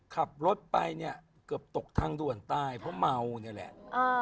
ขับรถไปเนี่ยเกือบตกทางด่วนตายเพราะเมาเนี่ยแหละ